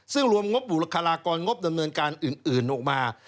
ซึ่งรวมงบบุคลากรงบดำเนินการอื่นออกมา